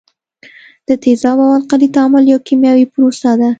د تیزاب او القلي تعامل یو کیمیاوي پروسه ده.